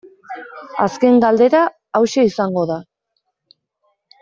Azken galdera hauxe izango da.